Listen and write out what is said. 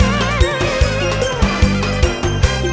ดิฉันจะทำยังไง